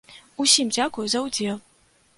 Усім дзякуй за ўдзел!